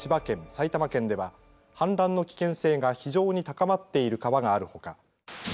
埼玉県では氾濫の危険性が非常に高まっている川があるほか。